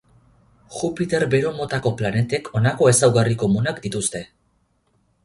Jupiter bero motako planetek honako ezaugarri komunak dituzte.